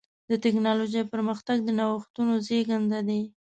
د ټکنالوجۍ پرمختګ د نوښتونو زېږنده دی.